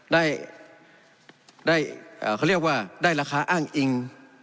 ได้เขาเรียกว่าได้ราคาอ้างอิง